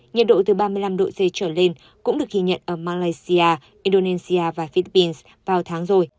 nhiệt độ từ ba mươi năm độ c trở lên cũng được ghi nhận ở malaysia indonesia và philippines vào tháng rồi